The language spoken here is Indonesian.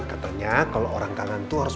katanya kalo orang kangen tuh harus